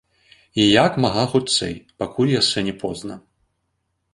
І як мага хутчэй, пакуль яшчэ не позна.